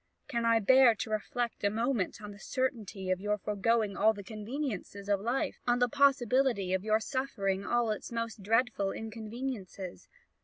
Can I bear to reflect a moment on the certainty of your foregoing all the conveniences of life? on the possibility of your suffering all its most dreadful inconveniencies?